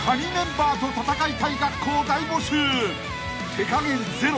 ［手加減ゼロ］